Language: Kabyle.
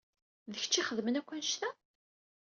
D kečč i ixedmen akk annect-a?